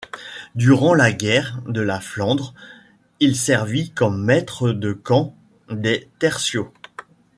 Durant la guerre de la Flandre il servit comme maître de camps des tercios.